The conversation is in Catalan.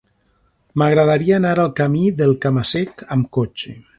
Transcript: M'agradaria anar al camí del Cama-sec amb cotxe.